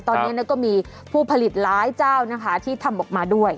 ตอนนี้ก็มีผู้ผลิตหลายเจ้านะคะที่ทำออกมาด้วย